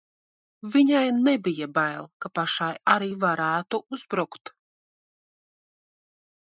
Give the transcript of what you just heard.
Viņai nebija bail, ka pašai arī varētu uzbrukt.